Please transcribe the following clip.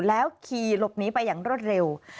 แล้วขี่หลบหนีไปอย่างรวดเร็ว